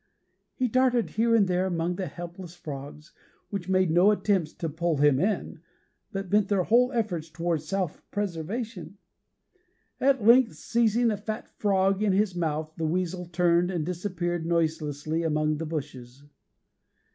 He darted here and there among the helpless frogs, which made no attempts to 'pull him in,' but bent their whole efforts toward self preservation. At length, seizing a fat frog in his mouth, the weasel turned and disappeared noiselessly among the bushes.